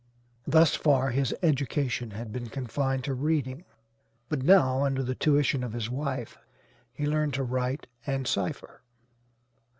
Thus far his education had been confined to reading; but now, under the tuition of his wife, he learned to 'write and cipher.'